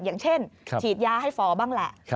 อย่างเช่นฉีดยาให้ฟอบ้างแหละ